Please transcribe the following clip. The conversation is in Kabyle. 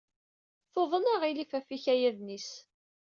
Tuḍen aɣilif ɣef yikayaden-is.